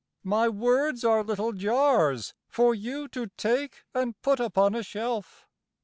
My words are little jars For you to take and put upon a shelf.